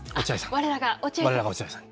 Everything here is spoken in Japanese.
われらが落合さん。